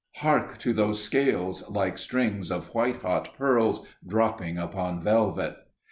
Hark to those scales, like strings of white hot pearls dropping upon velvet!"